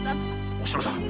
お篠さん